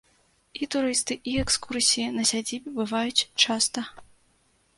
І турысты, і экскурсіі на сядзібе бываюць часта.